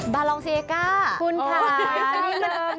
บาลองเซียก้าคุณค่ะ